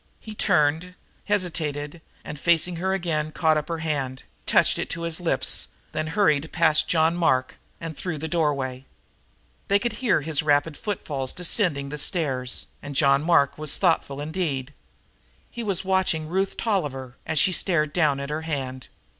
He turned, hesitated, and, facing her again, caught up her hand, touched it to his lips, then hurried past John Mark and through the doorway. They could hear his rapid footfalls descending the stairs, and John Mark was thoughtful indeed. He was watching Ruth Tolliver, as she stared down at her hand.